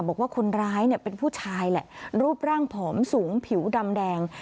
บอกว่าคนร้ายเนี่ยเป็นผู้ชายแหละรูปร่างผอมสูงผิวดำแดง